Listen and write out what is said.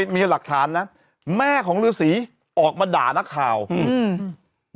มีหลักฐานนะแม่ของฤษีออกมาด่านักข่าวอืม